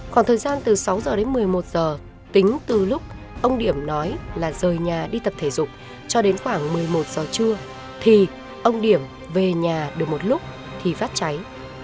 khoảng thời gian từ sáu giờ đến một mươi một giờ tính từ lúc ông điểm nói là rời nhà đi tập thể dục cho đến khoảng một mươi một giờ trưa thì ông điểm về nhà được một lúc thì phát cháy